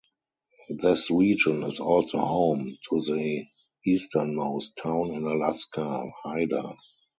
This region is also home to the easternmost town in Alaska, Hyder.